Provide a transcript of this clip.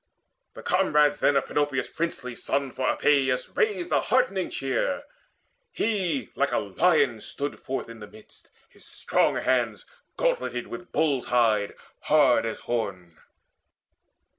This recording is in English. The comrades then Of Panopeus' princely son for Epeius raised A heartening cheer. He like a lion stood Forth in the midst, his strong hands gauntleted With bull's hide hard as horn.